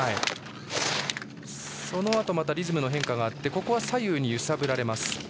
またリズムの変化があって左右に揺さぶられます。